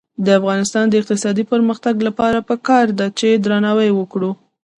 د افغانستان د اقتصادي پرمختګ لپاره پکار ده چې درناوی وکړو.